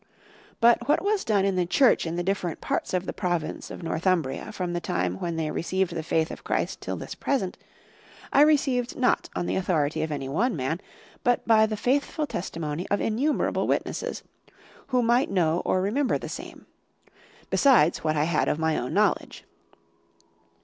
But what was done in the Church in the different parts of the province of Northumbria from the time when they received the faith of Christ till this present, I received not on the authority of any one man, but by the faithful testimony of innumerable witnesses, who might know or remember the same; besides what I had of my own knowledge.